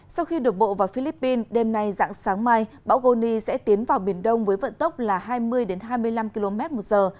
sau khi đột bộ vào philippines đêm nay dạng sáng mai bão goni sẽ tiến vào biển đông với vận tốc là hai mươi hai mươi năm km một giờ